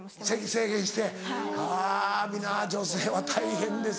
制限してあ皆女性は大変ですね。